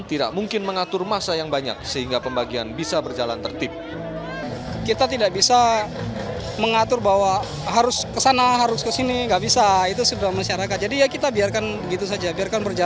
tidak mungkin mengatur masa yang banyak sehingga pembagian bisa berjalan tertib